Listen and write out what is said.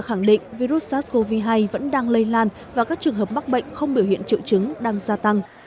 khẳng định virus sars cov hai vẫn đang lây lan và các trường hợp mắc bệnh không biểu hiện triệu chứng đang gia tăng